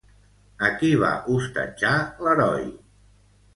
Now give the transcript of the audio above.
A qui va hostatjar l'heroi?